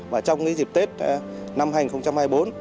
và trong cái dịp tết năm hành hai mươi bốn